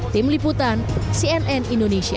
tim liputan cnn indonesia